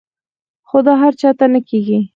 خو دا هر چاته نۀ کيږي -